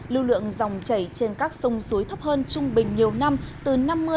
lưu lượng dòng chảy trên các sông suối thấp hơn trung bình nhiều năm từ năm mươi bảy mươi